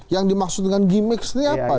yang dimaksud dengan gimmick ini apa